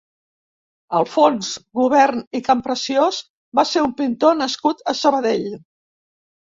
Alfons Gubern i Campreciós va ser un pintor nascut a Sabadell.